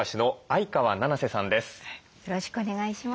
よろしくお願いします。